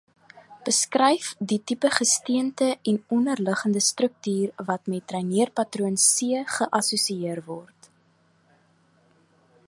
Beskryf die tipe gesteente en onderliggende struktuur wat met dreineerpatroon C geassosieer word.